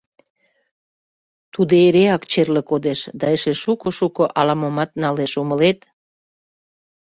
Тудо эреак черле кодеш да эше шуко-шуко ала-момат налеш, умылет?